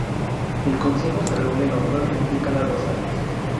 El Consejo se reúne normalmente cada dos años.